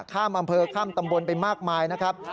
ข้ามอำเภอข้ามตำบลไปมากมายนะครับ